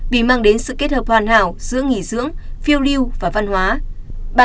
vì mang đến sự kết hợp hoàn hảo giữa nghỉ dưỡng phiêu lưu và văn hóa